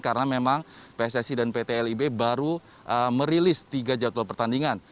karena memang pssc dan pt lib baru merilis tiga jadwal pertandingan